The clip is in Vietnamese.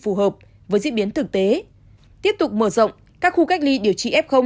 phù hợp với diễn biến thực tế tiếp tục mở rộng các khu cách ly điều trị f